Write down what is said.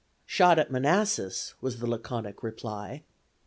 "Shot at Manassas," was the laconic reply.